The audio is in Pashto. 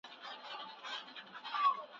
اسلام د خوښ ژوند ملاتړ کوي.